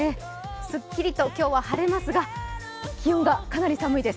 すっきりと今日は晴れますが気温が、かなり寒いです。